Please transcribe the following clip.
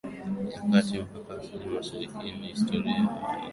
ya kati mpaka Afrika masharikiHistoria hii niliipata kwa njia ya simulizi kutoka kwa